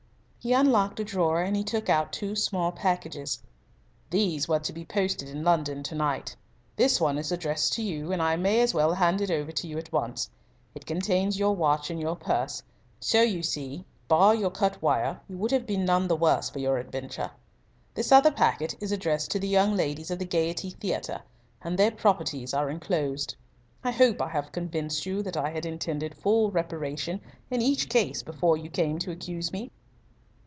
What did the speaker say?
He unlocked a drawer and he took out two small packages. "These were to be posted in London to night. This one is addressed to you, and I may as well hand it over to you at once. It contains your watch and your purse. So, you see, bar your cut wire you would have been none the worse for your adventure. This other packet is addressed to the young ladies of the Gaiety Theatre, and their properties are enclosed. I hope I have convinced you that I had intended full reparation in each case before you came to accuse me?"